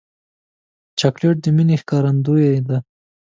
چاکلېټ د مینې ښکارندویي ده.